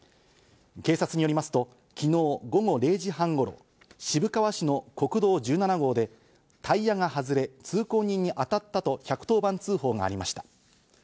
警察によりますと昨日午後０時半頃、渋川市の国道１７号で、タイヤが外れ、通行人に当たったと１１０番通報がありました。